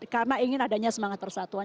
karena ingin adanya semangat persatuan